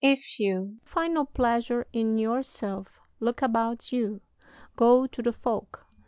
If you find no pleasure in yourself, look about you. Go to the folk.